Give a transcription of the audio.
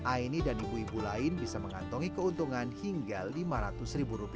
aini dan ibu ibu lain bisa mengantongi keuntungan hingga rp lima ratus